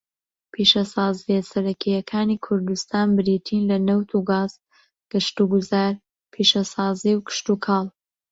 پیشەسازییە سەرەکییەکانی کوردستان بریتین لە نەوت و گاز، گەشتوگوزار، پیشەسازی، و کشتوکاڵ.